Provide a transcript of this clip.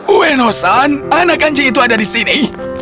ueno san anak anjing itu ada di sini